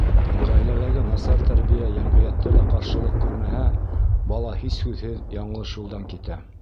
Ғаиләләге насар тәрбиә йәмғиәттә лә ҡаршылыҡ күрмәһә, бала һис һүҙһеҙ яңылыш юлдан китә.